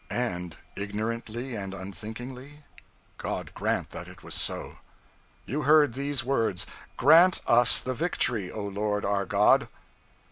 And ignorantly and unthinkingly? God grant that it was so! You heard these words: 'Grant us the victory, O Lord our God!'